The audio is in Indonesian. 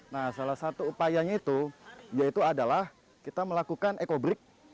nah salah satu upayanya itu yaitu adalah kita melakukan ecobreak